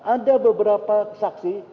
ada beberapa saksi